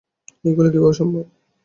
এগুলো কিভাবে সম্ভব?